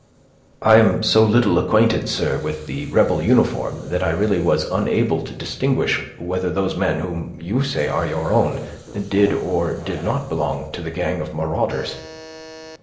"I am so little acquainted, sir, with the rebel uniform, that I really was unable to distinguish, whether those men, whom you say are your own, did or did not belong to the gang of marauders."